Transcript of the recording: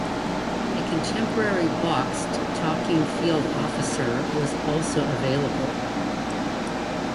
A contemporary boxed talking field officer was also available.